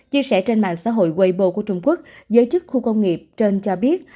chia sẻ trên mạng xã hội webo của trung quốc giới chức khu công nghiệp trên cho biết